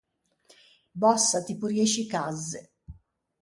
Bòssa, ti porriësci cazze!